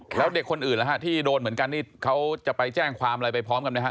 แล้วเด็กคนอื่นแล้วฮะที่โดนเหมือนกันนี่เขาจะไปแจ้งความอะไรไปพร้อมกันไหมฮ